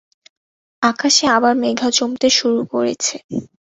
আকাশে আবার মেঘা জমতে শুরু করেছে।